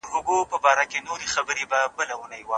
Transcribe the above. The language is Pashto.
موږ د بېکارۍ د ختمولو هڅه کوو.